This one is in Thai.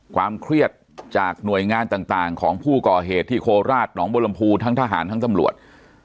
ความเครียดจากหน่วยงานต่างของผู้ก่อเหตุที่โคราชหนองบรมภูทั้งทหารทั้งตำรวจ